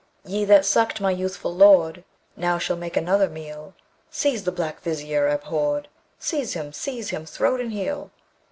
Ye that suck'd my youthful lord, Now shall make another meal: Seize the black Vizier abhorr'd; Seize him! seize him throat and heel!